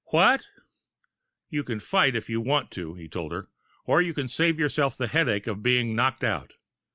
"What " "You can fight, if you want to," he told her. "Or you can save yourself the headache of being knocked out.